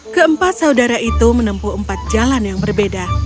keempat saudara itu menempuh empat jalan yang berbeda